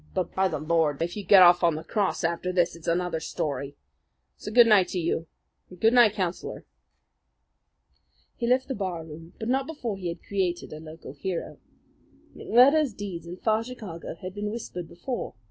"But, by the Lord! if you get off after this, it's another story! So good night to you and good night, Councillor." He left the bar room; but not before he had created a local hero. McMurdo's deeds in far Chicago had been whispered before.